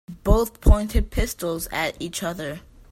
Both pointed pistols at each other.